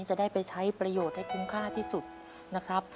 จะได้ไปใช้ประโยชน์ให้คุ้มค่าที่สุดนะครับ